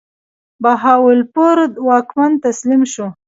بهاولپور واکمن تسلیم شو.